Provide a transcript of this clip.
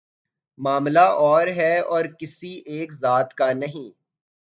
معاملہ اور ہے اور کسی ایک ذات کا نہیں۔